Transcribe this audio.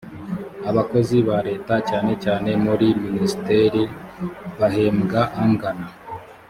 abakozi ba leta cyane cyane muri minisiteri bahembwa angana.